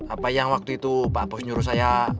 apa yang waktu itu pak bos nyuruh saya